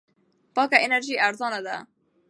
پاکه انرژي ارزان ده.